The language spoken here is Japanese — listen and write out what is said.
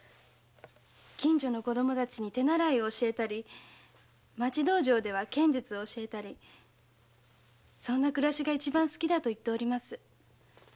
近所の子供達に手習いを教えたり町道場では剣術を教えたりそんな暮らしが一番好きだと言っております。